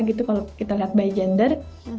gitu kalau kita lihat by gender